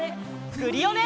クリオネ！